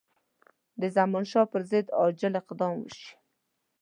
د زمانشاه پر ضد عاجل اقدام وشي.